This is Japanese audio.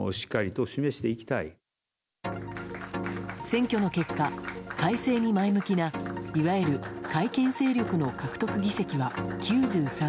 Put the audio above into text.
選挙の結果、改正に前向きないわゆる改憲勢力の獲得議席は９３。